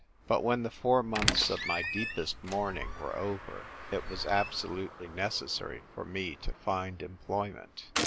But when the four months of my deepest mourning were over, it was absolutely necessary for me to find employment.